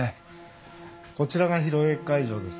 こちらが披露宴会場です。